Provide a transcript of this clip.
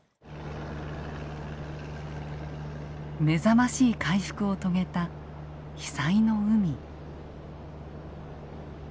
目覚ましい回復を遂げた被災の海。